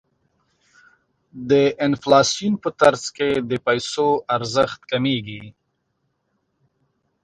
د انفلاسیون په ترڅ کې د پیسو ارزښت کمیږي.